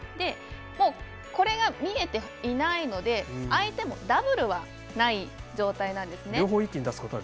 もうこれが見えていないので相手もダブルはない状態なんですね。